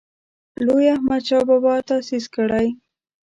لوی احمدشاه بابا تاسیس کړی.